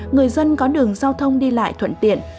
người dân có đường giao thông đi lại thuận tiện